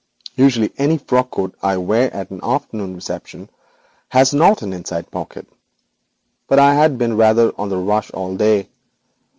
Usually any frock coat I wear at an afternoon reception has not an inside pocket, but I had been rather on the rush all day.